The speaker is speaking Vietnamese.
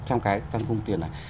trong cái tăng cung tiền này